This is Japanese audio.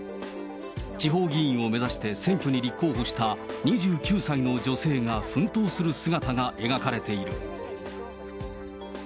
地方議員を目指して選挙に立候補した２９歳の女性が奮闘する姿が描かれている。